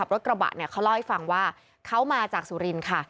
รถกระบะเขาเล่าให้ฟังว่าเขามาจากสุรินทร์ค่ะ